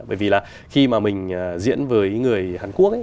bởi vì là khi mà mình diễn với người hàn quốc ấy